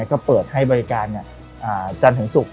ก็เปิดให้บริการจันทร์ถึงศุกร์